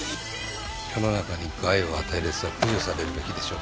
世の中に害を与える奴は駆除されるべきでしょ。